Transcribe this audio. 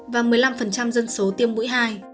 và một mươi năm dân số tiêm mũi hai